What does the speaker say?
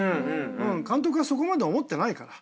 監督はそこまで思ってないから。